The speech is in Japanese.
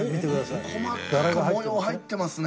細かく模様入ってますね。